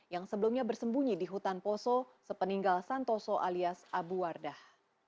yang sebelumnya bersembunyi di hutan poso sepeninggal santoso alias abu wardah